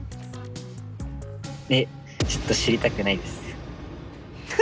えっちょっと知りたくないです。